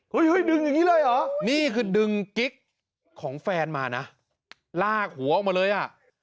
เฮ้ยดึงอย่างนี้เลยเหรอนี่คือดึงกิ๊กของแฟนมานะลากหัวออกมาเลยอ่ะ